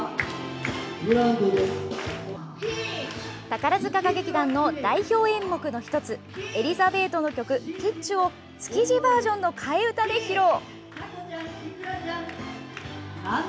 宝塚歌劇団の代表演目の１つ「エリザベート」の曲「キッチュ」を築地バージョンの替え歌で披露。